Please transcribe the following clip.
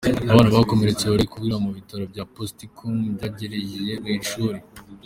Abana bakomeretse bari kuvurirwa ku bitaro bya Potiskum byegere iri shuri.